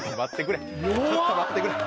ちょっと待ってくれ。